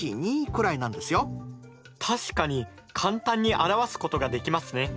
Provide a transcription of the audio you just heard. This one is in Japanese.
確かに簡単に表すことができますね。